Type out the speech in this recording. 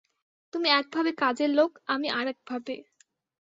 তুমি একভাবে কাজের লোক, আমি আর একভাবে।